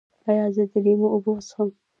ایا زه د لیمو اوبه وڅښم؟